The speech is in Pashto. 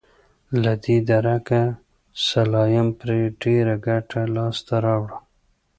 له دې درکه سلایم پرې ډېره ګټه لاسته راوړه.